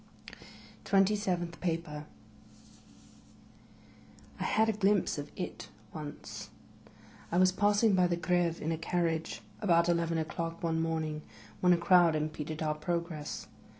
OF A CONDEMNED 79 TWENTY SEVENTH PAPER I HAD a glimpse of it once. I was passing by the Greve in a carriage, about eleven o'clock, one morning, when a crowd impeded our progress.